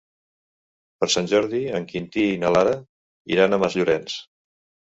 Per Sant Jordi en Quintí i na Lara iran a Masllorenç.